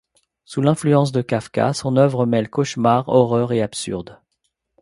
Sous l'influence de Kafka, son œuvre mêle cauchemar, horreur et absurde.